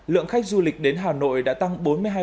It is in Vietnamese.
lượng khách du lịch đến hà nội đã tăng bốn mươi hai